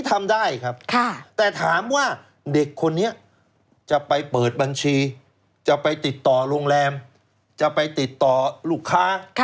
ทำได้ครับแต่ถามว่าเด็กคนนี้จะไปเปิดบัญชีจะไปติดต่อโรงแรมจะไปติดต่อลูกค้า